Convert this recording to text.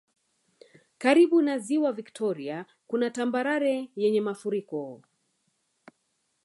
Karibu na Ziwa viktoria kuna tambarare yenye mafuriko